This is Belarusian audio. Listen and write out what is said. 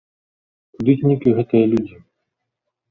Куды зніклі гэтыя людзі?